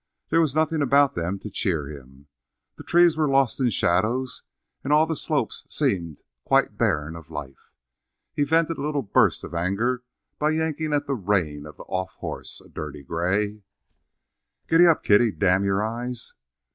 There was nothing about them to cheer him. The trees were lost in shadows and all the slopes seemed quite barren of life. He vented a little burst of anger by yanking at the rein of the off horse, a dirty gray. "Giddap, Kitty, damn your eyes!"